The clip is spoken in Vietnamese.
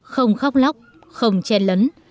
không khóc lóc không chen lấn